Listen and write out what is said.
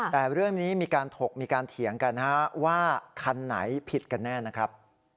แต่เรื่องนี้มีการถกมีการเถียงกันว่าคันไหนผิดกันแน่นะครับ